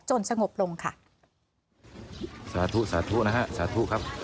สงบลงค่ะสาธุสาธุนะฮะสาธุครับ